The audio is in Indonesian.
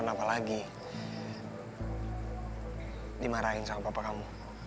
kenapa lagi dimarahin sama papa kamu